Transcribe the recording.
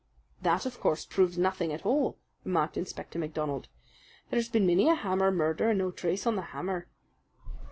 "That, of course, proves nothing at all," remarked Inspector MacDonald. "There has been many a hammer murder and no trace on the hammer."